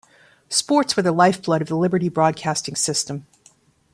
Sports were the lifeblood of the Liberty Broadcasting System.